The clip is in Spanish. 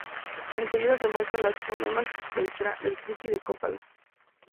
En seguida se muestran los fonemas del triqui de Copala.